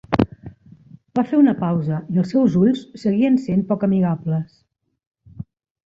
Va fer una pausa, i els seus ulls seguien sent poc amigables.